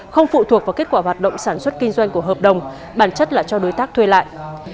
không phụ thuộc vào kết quả hoạt động sản xuất kinh doanh của hợp đồng bản chất là cho đối tác thuê lại